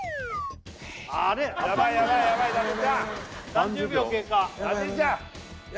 ３０秒経過